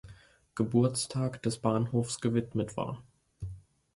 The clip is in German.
Geburtstag des Bahnhofs gewidmet war.